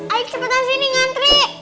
ali cepetan sini ngantri